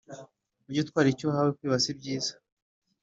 Ujye utwara icyo uhawe kwiba sibyiza